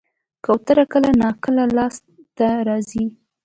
کوتره کله ناکله لاس ته راځي.